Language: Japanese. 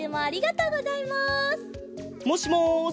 もしもし？